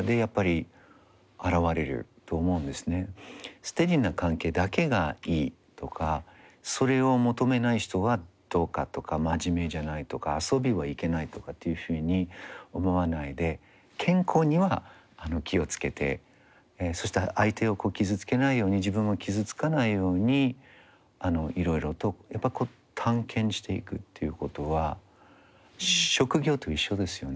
ステディーな関係だけがいいとかそれを求めない人はどうかとか真面目じゃないとか遊びはいけないとかっていうふうに思わないで健康には気を付けてそして相手を傷つけないように自分も傷つかないようにいろいろとやっぱ探検していくっていうことは職業と一緒ですよね。